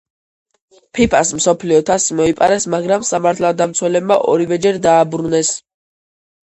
ფიფა-ს მსოფლიო თასი მოიპარეს, მაგრამ სამართალდამცველებმა ორივეჯერ დააბრუნეს.